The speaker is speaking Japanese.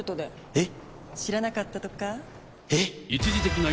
えっ！